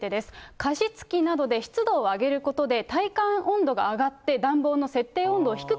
加湿器などで湿度を上げることで体感温度が上がって暖房の設定